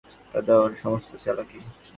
গাড়িতে উঠেই নবীন বলে উঠল, দাদা, ওর সমস্ত চালাকি।